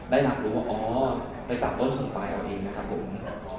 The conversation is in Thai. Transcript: ได้หลับรู้ว่าอ๋อไปจับต้นช่องปลายเอาเองนะครับผม